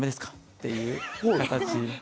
っていう形で。